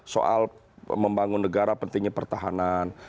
soal membangun negara pentingnya pertahanan